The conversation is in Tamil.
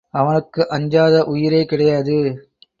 அவனுக்கு அஞ்சாத உயிரே கிடையாது.